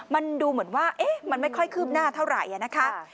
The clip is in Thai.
มันดูเหมือนว่ามันไม่ค่อยคืบหน้าเท่าไหร่นะคะ